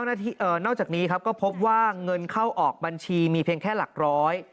นอกจากนี้ครับก็พบว่าเงินเข้าออกบัญชีมีเพียงแค่หลักร้อย